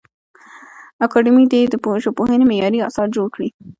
اکاډمي دي د ژبپوهنې معیاري اثار جوړ کړي.